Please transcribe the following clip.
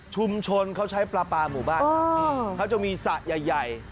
ชุมชนเขาใช้ปลาปลาหมู่บ้านครับเขาจะมีสระใหญ่